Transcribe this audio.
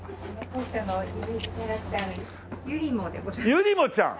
ゆりもちゃん！